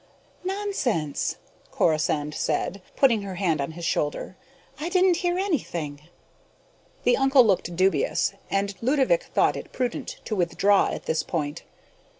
"Nonsense!" Corisande said, putting her hand on his shoulder. "I didn't hear anything." The uncle looked dubious, and Ludovick thought it prudent to withdraw at this point.